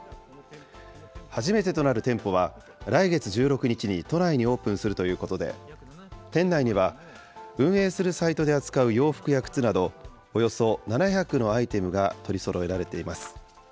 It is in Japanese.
初めてとなる店舗は、来月１６日に都内にオープンするということで、店内には、運営するサイトで扱う洋服や靴など、およそ７００のアイテムが取りそろえられています。